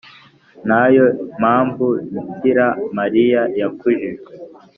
nayo mpamvu bikira mariya yakujijwe